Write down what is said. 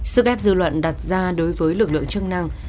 sức ép dư luận đặt ra đối với lực lượng chức năng